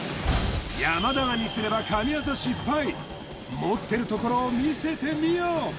山田がミスれば神業失敗持ってるところを見せてみよ